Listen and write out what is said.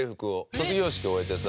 卒業式終えてさ